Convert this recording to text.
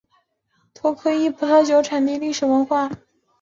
托卡伊葡萄酒产地历史文化景观是位于匈牙利的一处世界文化遗产。